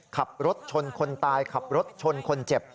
ขับรถชนคนตายขับรถชนคนเจ็บ